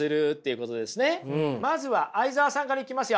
まずは相澤さんからいきますよ。